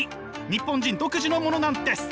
日本人独自のものなんです！